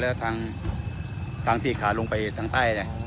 แล้วทางที่ขาลงไปทางใต้